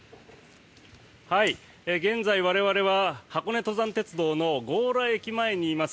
現在、我々は箱根登山鉄道の強羅駅前にいます。